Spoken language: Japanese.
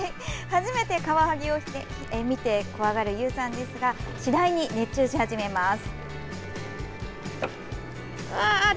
初めてカワハギを見て怖がるゆうさんですが次第に熱中し始めます。